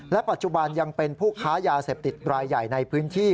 ปัจจุบันยังเป็นผู้ค้ายาเสพติดรายใหญ่ในพื้นที่